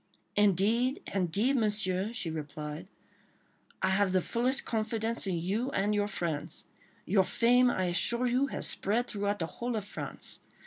"Indeed, indeed, Monsieur," she replied, "I have the fullest confidence in you and in your friends. Your fame, I assure you, has spread throughout the whole of France.